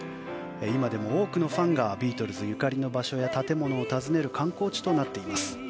今でも多くのファンがビートルズゆかりの建物などを訪ねる観光地となっています。